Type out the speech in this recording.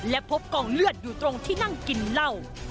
และพบกองเลือดอยู่ตรงที่นั่งกินเหล้า